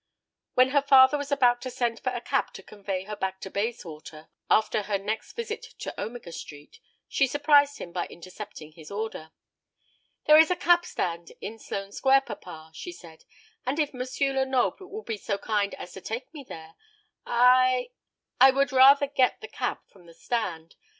When her father was about to send for a cab to convey her back to Bayswater, after her next visit to Omega Street, she surprised him by intercepting his order. "There is a cab stand in Sloane Square, papa," she said; "and if M. Lenoble will be so kind as to take me there, I I would rather get the cab from the stand.